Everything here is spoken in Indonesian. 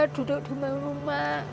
kalau saya duduk di rumah